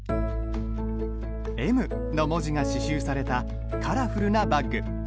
Ｍの文字が刺しゅうされたカラフルなバッグ。